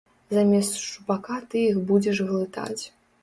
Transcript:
Замест шчупака ты іх будзеш глытаць.